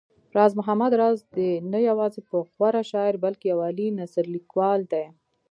راز محمد راز دی نه يوازې يو غوره شاعر بلکې يو عالي نثرليکوال و